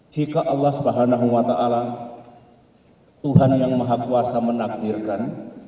jika allah swt tuhan yang maha kuasa menakdirkan